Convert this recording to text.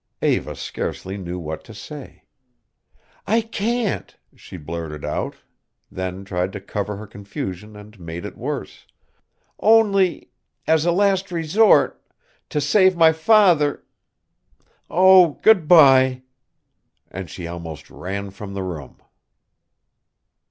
Eva scarcely knew what to say. "I can't," she blurted out, then tried to cover her confusion and made it worse, "only as a last resort to save my father Oh good by!" And she almost ran from the room.